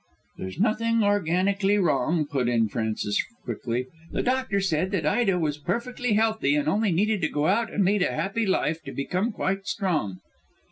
"There's nothing organically wrong," put in Frances quickly. "The doctor said that Ida was perfectly healthy, and only needed to go out and lead a happy life to become quite strong."